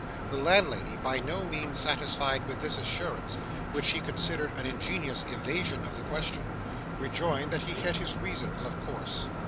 The landlady, by no means satisfied with this assurance, which she considered an ingenious evasion of the question, rejoined that he had his reasons of course.